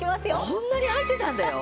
こんなに入ってたんだよ。